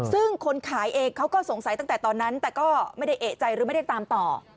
ซึ่งคนขายเองเขาก็สงสัยตั้งแต่ตอนนั้นแต่ก็ไม่ได้เอกใจหรือไม่ได้ตามต่อ